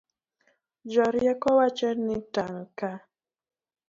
Jorieko wacho ni tang' ka